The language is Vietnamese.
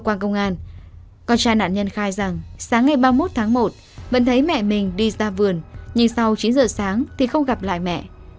qua công an con trai nạn nhân khai rằng sáng ngày ba mươi một tháng một vẫn thấy mẹ mình đi ra vườn nhưng sau chín giờ sáng thì không gặp lại mẹ